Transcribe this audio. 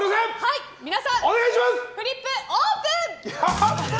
フリップ、オープン！